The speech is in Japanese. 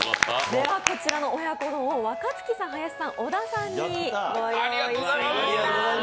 ではこちらの親子丼を若槻さん、林さん、小田さんに試食していただきます。